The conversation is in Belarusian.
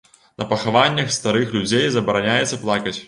На пахаваннях старых людзей забараняецца плакаць.